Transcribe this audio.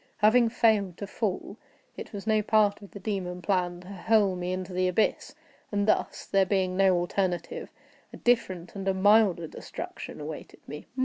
Having failed to fall, it was no part of the demon plan to hurl me into the abyss; and thus (there being no alternative) a different and a milder destruction awaited me.